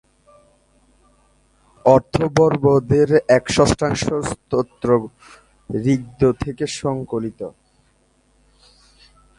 অথর্ববেদের এক-ষষ্ঠাংশ স্তোত্র ঋগ্বেদ থেকে সংকলিত।